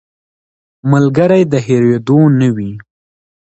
ملګری د هېرېدو نه وي